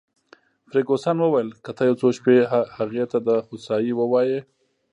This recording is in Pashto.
فرګوسن وویل: که ته یو څو شپې هغې ته د هوسایۍ وواېې.